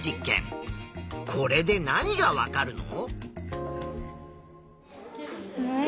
これで何がわかるの？